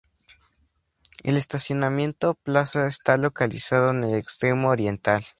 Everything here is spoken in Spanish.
El estacionamiento Plaza está localizado en el extremo oriental.